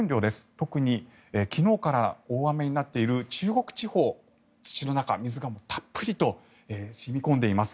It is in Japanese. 特に昨日から大雨になっている中国地方は土の中、水がたっぷりとしみ込んでいます。